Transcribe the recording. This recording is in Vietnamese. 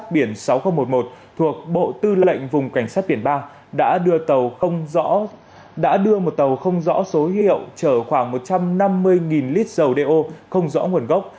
biển sáu nghìn một mươi một thuộc bộ tư lệnh vùng cảnh sát biển ba đã đưa tàu không đưa một tàu không rõ số hiệu chở khoảng một trăm năm mươi lít dầu đeo không rõ nguồn gốc